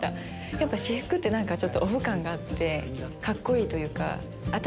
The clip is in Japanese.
やっぱ私服って何かちょっとオフ感があってカッコいいというか。